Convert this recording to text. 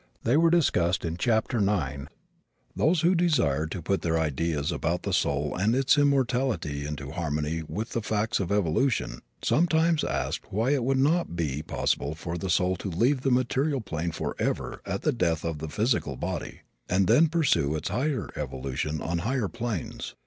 They were discussed in Chapter IX. Those who desire to put their ideas about the soul and its immortality into harmony with the facts of evolution sometimes ask why it would not be possible for the soul to leave the material plane forever at the death of the physical body and then pursue its evolution on higher planes.